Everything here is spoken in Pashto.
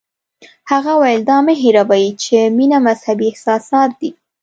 هغه وویل دا مه هیروئ چې مینه مذهبي احساسات دي.